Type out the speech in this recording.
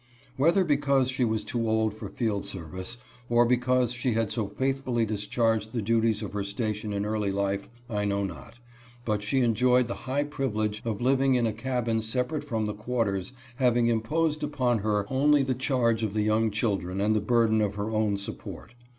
Whether because she was too old for field service, or HIS PARENTS. 27 because she had so faithfully discharged the duties of her station in early life, I know not," but she enjoyed the high privilege of living in a cabin separate from the quarters, having imposed upon her only the charge of the young children and the burden of her own support.